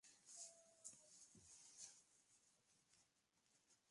Fue el legítimo emperador para suceder el trono de Tahuantinsuyo.